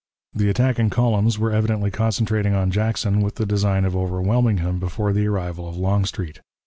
The attacking columns were evidently concentrating on Jackson with the design of overwhelming him before the arrival of Longstreet.